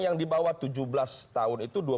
yang di bawah tujuh belas tahun itu